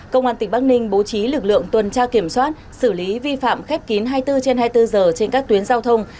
công an tỉnh bắc ninh bố trí lực lượng tuần tra kiểm soát xử lý vi phạm khép kín hai mươi bốn trên hai mươi bốn giờ trên các tuyến giao thông